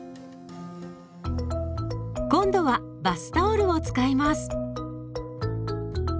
今度はバスタオルを使います。